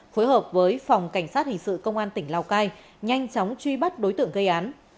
phối hợp với phòng cảnh sát hình sự công an tỉnh lào cai nhanh chóng truy bắt đối tượng gây án